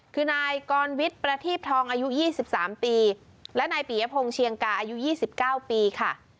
คือนายกรณ์วิทย์ประทีบทองอายุยี่สิบสามปีและนายปริยภงเชียงกาอายุยี่สิบเก้าปีค่ะ